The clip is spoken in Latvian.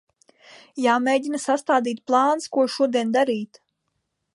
Jāmēģina sastādīt plāns, ko šodien darīt.